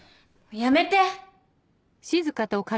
やめて！